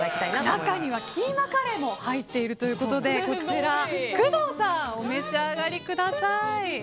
中にはキーマカレーも入っているということでこちら、工藤さんお召し上がりください。